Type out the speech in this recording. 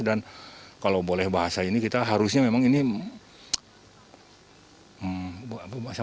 dan kalau boleh bahasa ini kita harusnya memang ini merata semuanya